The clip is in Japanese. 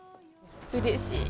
うれしい！